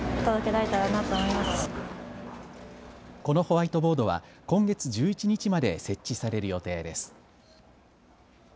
このホワイトボードは今月１１日まで設置される予定です。